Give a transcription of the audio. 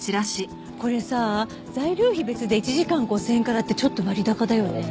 これさ材料費別で１時間５０００円からってちょっと割高だよね。